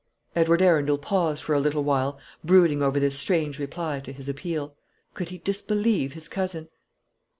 Edward Arundel paused for a little while, brooding over this strange reply to his appeal. Could he disbelieve his cousin?